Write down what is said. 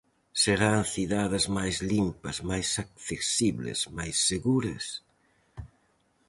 Serán cidades máis limpas, máis accesibles, máis seguras?